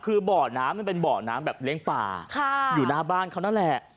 คือบ่อน้ำมันเป็นบ่อน้ำแบบเลี้ยงป่าอยู่หน้าบ้านเขานั่นแหละ